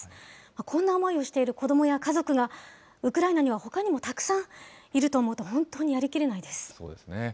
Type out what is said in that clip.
こんな思いをしている子どもや家族が、ウクライナにはほかにもたくさんいると思うと、本当にやりそうですね。